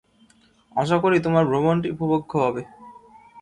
আশা করি, তোমার ভ্রমণটি উপভোগ্য হবে।